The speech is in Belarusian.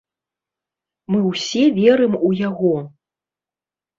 Мы ўсе верым у яго.